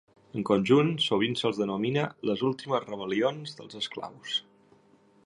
En conjunt, sovint se'ls denomina "les últimes rebel·lions dels esclaus".